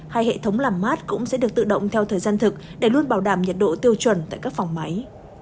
hay hệ thống làm mát cũng sẽ được tự động theo thời gian thực để luôn bảo đảm nhiệt độ tiêu chuẩn tại các phòng máy